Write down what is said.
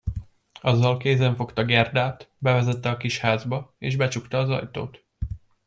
Azzal kézenfogta Gerdát, bevezette a kis házba, és becsukta az ajtót.